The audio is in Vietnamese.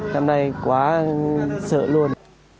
năm nay quá sợ luôn